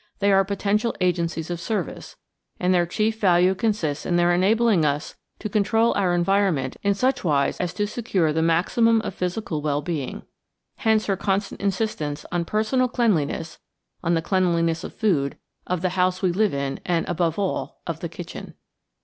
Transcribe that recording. They are potential agencies of service, and their chief value consists in their enabling us to control our environment in such wise as to secure the maximum of physical well being. Hence her constant insistence on personal cleanliness, on the cleanliness of food, of the house we live in, and, above all, of the kitchen.